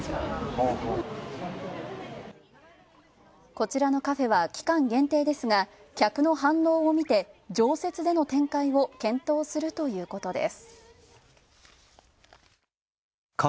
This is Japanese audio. こちらのカフェは期間限定ですが客の反応を見て、常設での展開を検討するということです。